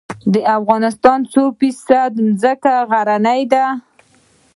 د افغانستان څو فیصده ځمکه غرنۍ ده؟